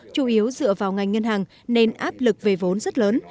chủ yếu dựa vào ngành ngân hàng nên áp lực về vốn rất lớn